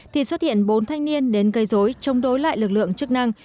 thì xuất hiện bốn thanh niên đến gây dối chống đối lại lực lượng chức năng